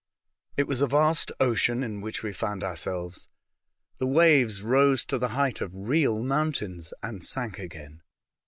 It was a vast ocean in which we found our selves. The waves rose to the height of real mountains, and sank again.